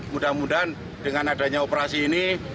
mudah mudahan dengan adanya operasi ini